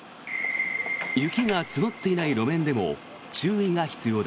雪が積もっていない路面でも注意が必要だ。